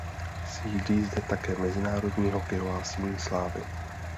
Sídlí zde také Mezinárodní hokejová síň slávy.